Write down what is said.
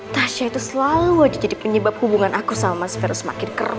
tasya itu selalu aja jadi penyebab hubungan aku sama mas fer semakin keras